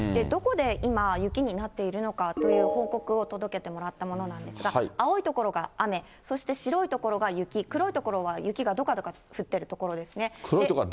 どこで今、雪になっているのかという報告を届けてもらったものなんですが、青い所が雨、そして白い所が雪、黒い所は雪がどかどか降っている所ですね。